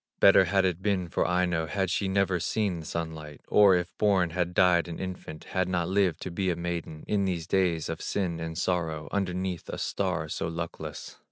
Better had it been for Aino Had she never seen the sunlight, Or if born had died an infant, Had not lived to be a maiden In these days of sin and sorrow, Underneath a star so luckless.